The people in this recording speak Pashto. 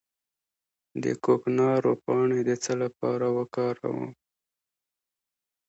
د کوکنارو پاڼې د څه لپاره وکاروم؟